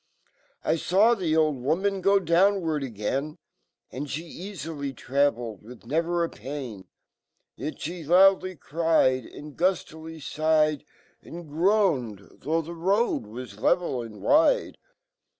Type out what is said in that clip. I faw fho old woman g downward agalru And fhe eaflly travelled , wifh never apaln; Yet fhe loud I y cried , Andguflilyflghed, And groaned , though frie road was lev&l and wide.